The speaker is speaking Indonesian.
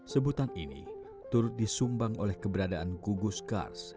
sebutan ini turut disumbang oleh keberadaan gugus kars